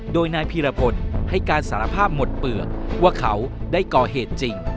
โดยนายพีรพลให้การสารภาพหมดเปลือกว่าเขาได้ก่อเหตุจริง